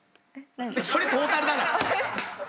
それトータルだな。